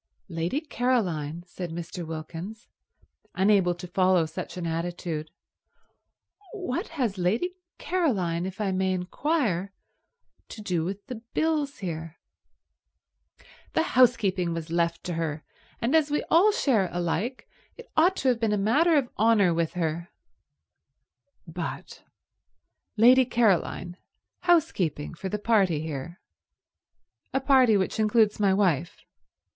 "Lady Caroline?" said Mr. Wilkins, unable to follow such an attitude. "What has Lady Caroline, if I may inquire, to do with the bills here?" "The housekeeping was left to her, and as we all share alike it ought to have been a matter of honour with her—" "But—Lady Caroline housekeeping for the party here? A party which includes my wife?